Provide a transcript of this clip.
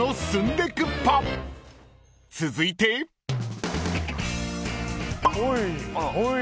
［続いて］おい。